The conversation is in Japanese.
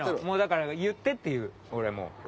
もうだから「言って」って言う俺もう。